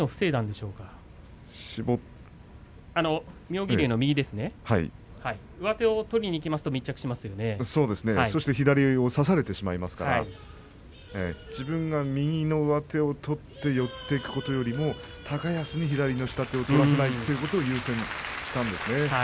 そうすると左を差されてしまいますから自分が右の上手を取って寄っていくことよりも高安に左の下手を取らせないということを優先させたんですね。